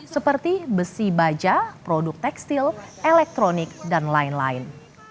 seperti besi baja produk tekstil elektronik dan lain lain